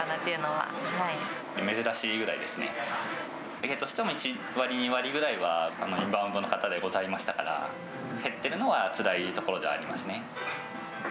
売り上げとしても１割、２割ぐらいは、インバウンドの方でございましたから、減っているのはつらいところではありますね。